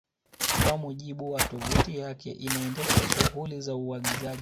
Kwa mujibu wa tovuti yake inaendesha shughuli za uagizaji